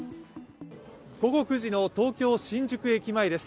午後９時の東京・新宿駅前です。